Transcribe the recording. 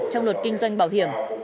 trong luật kinh doanh bảo hiểm